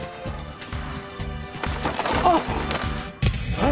あっ！